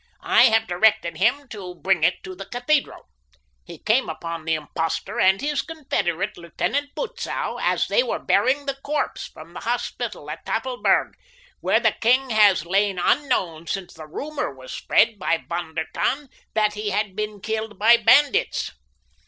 "I have directed him to bring it to the cathedral. He came upon the impostor and his confederate, Lieutenant Butzow, as they were bearing the corpse from the hospital at Tafelberg where the king has lain unknown since the rumor was spread by Von der Tann that he had been killed by bandits.